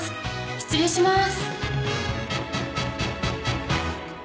失礼します。